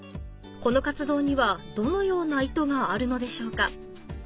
この活動にはどのような意図があるのでしょうか？